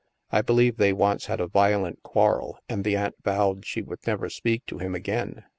I believe they once had a violent quarrel, and the aunt vowed she would never speak to him again.